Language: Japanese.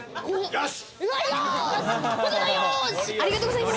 よし。